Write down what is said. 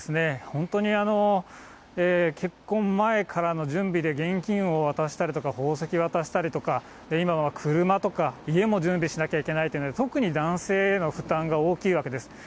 本当に、結婚前からの準備で現金を渡したりとか、宝石を渡したりとか、今は車とか、家も準備しなきゃいけないというので、特に男性への負担が大きいわけです。